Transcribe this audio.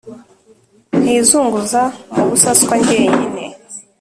ntizunguza mubusaswa njyenyine